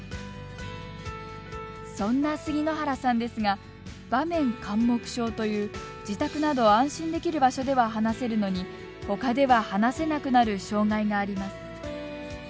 そんな杉之原さんですが場面緘黙症という自宅など安心できる場所では話せるのにほかでは話せなくなる障がいがあります。